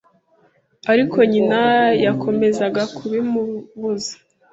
ariko nyina yakomezaga kubimubuza